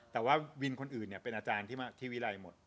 แต่ว่าวินคนอื่นเนี่ยเป็นอาจารย์ที่วิรัยหมด